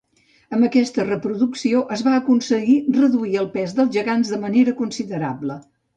Amb aquesta reproducció es va aconseguir reduir el pes dels gegants de manera considerable.